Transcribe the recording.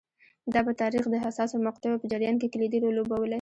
دا په تاریخ د حساسو مقطعو په جریان کې کلیدي رول لوبولی